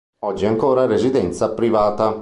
Oggi è ancora residenza privata.